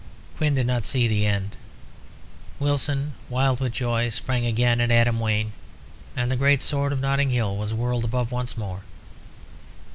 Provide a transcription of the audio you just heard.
Quin did not see the end. Wilson, wild with joy, sprang again at Adam Wayne, and the great sword of Notting Hill was whirled above once more.